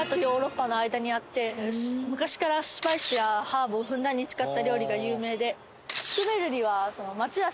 昔からスパイスやハーブをふんだんに使った料理が有名で。